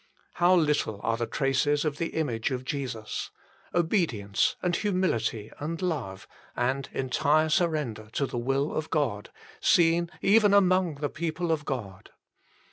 How little are the traces of the image of Jesus obedience, and humility, and love, and entire surrender to the will of God seen even among the people of God.